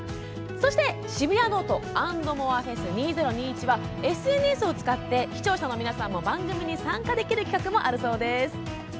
そして「シブヤノオトａｎｄｍｏｒｅＦＥＳ．２０２１」はＳＮＳを使って視聴者の皆さんも、番組に参加できる企画もあるそうです。